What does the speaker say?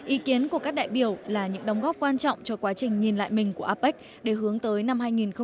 ý kiến của các đại biểu là những đóng góp quan trọng cho quá trình nhìn lại mình của apec để hướng tới năm hai nghìn hai mươi